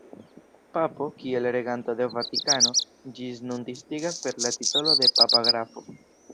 Papo, kiel reganto de Vatikano, ĝis nun distingas per la titolo de papa grafo.